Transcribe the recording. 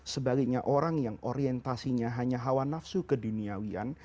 sebaliknya orang yang orientasinya hanya hawa nafsu keduniawian